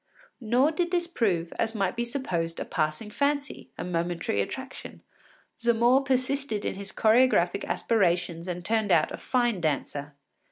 Nor did this prove, as might be supposed, a passing fancy, a momentary attraction; Zamore persisted in his choregraphic aspirations and turned out a fine dancer.